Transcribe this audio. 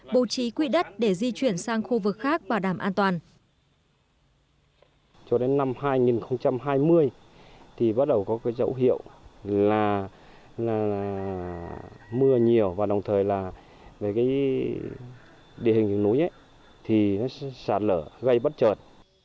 bố trí quỹ đất để di chuyển sang khu vực khác bảo đảm an toàn